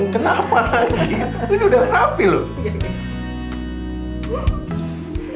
kenapa tapi ini udah rapi loh